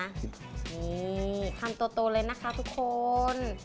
นี่ทำตัวเลยนะคะทุกคน